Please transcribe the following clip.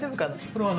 これは？